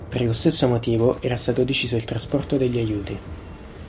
Per lo stesso motivo era stato deciso il trasporto degli aiuti.